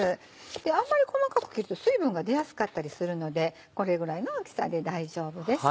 あんまり細かく切ると水分が出やすかったりするのでこれぐらいの大きさで大丈夫です。